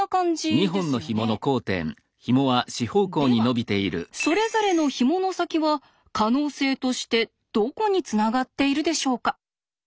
ではそれぞれのひもの先は可能性としてどこにつながっているでしょうか？